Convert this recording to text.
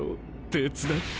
手伝って。